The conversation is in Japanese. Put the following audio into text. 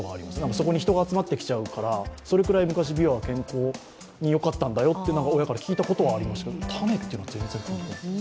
そこに人が集まってきちゃうから、それくらいびわは健康によかったんだよと親から聞いたことはありましたけど種っていうのは聞いたことない。